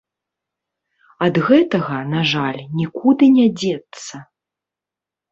Ад гэтага, на жаль, нікуды не дзецца.